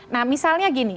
nah misalnya gini